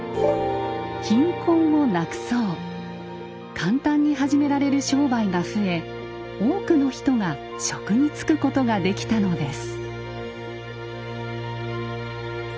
簡単に始められる商売が増え多くの人が職に就くことができたのです。